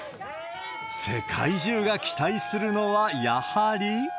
世界中が期待するのはやはり。